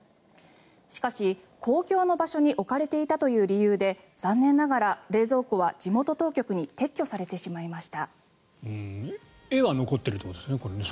しかし、公共の場所に置かれていたという理由で残念ながら、冷蔵庫は地元当局に撤去されてしまいました。